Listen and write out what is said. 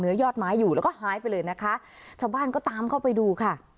ยอดไม้อยู่แล้วก็หายไปเลยนะคะชาวบ้านก็ตามเข้าไปดูค่ะ